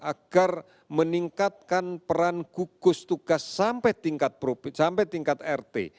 agar meningkatkan peran gugus tugas sampai tingkat rt